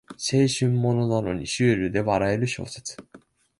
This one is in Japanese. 青春ものなのにシュールで笑える小説